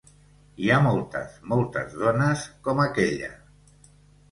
I hi ha moltes, moltes dones com aquella.